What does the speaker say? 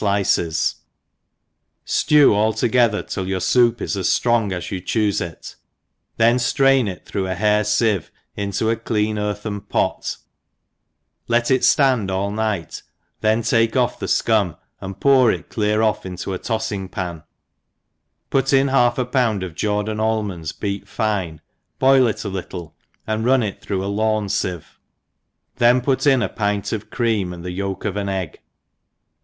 ij celery in ilice8» ftew all together^ till your foup is as ftrong as you choofe it^ then ftrain it through a hair fieve into a clean earthen pof ^ let it ftand all night, then ^ake off the fcum, and pour it clear off into a toiling pan^ put in half a pound of Jordan almonds beat fine, boil it a little and run it t)irough a lawn iieve^ then put in a pint of cream and the yolk of an egg.